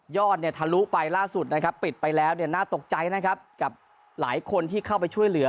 เนี่ยทะลุไปล่าสุดนะครับปิดไปแล้วเนี่ยน่าตกใจนะครับกับหลายคนที่เข้าไปช่วยเหลือ